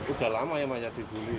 udah lama yang banyak dibuli gitu